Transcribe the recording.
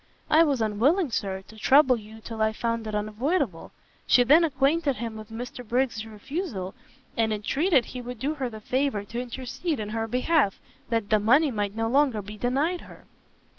"I was unwilling, Sir, to trouble you till I found it unavoidable." She then acquainted him with Mr Briggs' refusal, and entreated he would do her the favour to intercede in her behalf, that the money might no longer be denied her.